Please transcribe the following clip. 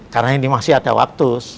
karena ini masih ada waktu